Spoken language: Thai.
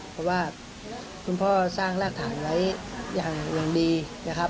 เพราะว่าคุณพ่อสร้างรากฐานไว้อย่างดีนะครับ